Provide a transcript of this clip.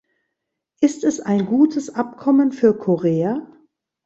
Ist es ein gutes Abkommen für Korea?